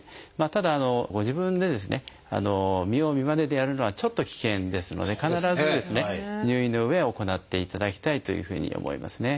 ただご自分で見よう見まねでやるのはちょっと危険ですので必ず入院のうえ行っていただきたいというふうに思いますね。